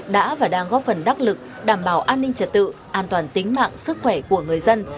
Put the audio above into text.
đã và đang góp phần đắc lực đảm bảo an ninh trật tự an toàn tính mạng sức khỏe của người dân